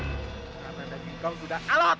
karena bagi kau gudang alat